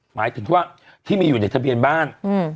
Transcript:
หมายถึงว่าที่มีอยู่ในทะเบียนบ้าน